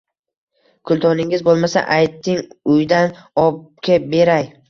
Kuldoningiz bo‘lmasa, ayting, uydan obkeb beray!